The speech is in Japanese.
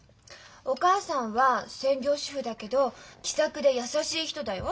お母さんは専業主婦だけど気さくで優しい人だよ。